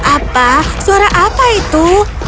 apa suara apa itu